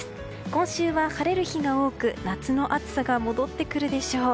今週は晴れる日が多く夏の暑さが戻ってくるでしょう。